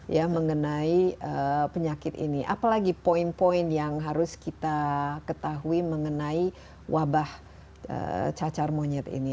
ya mengenai penyakit ini apalagi poin poin yang harus kita ketahui mengenai wabah cacar monyet ini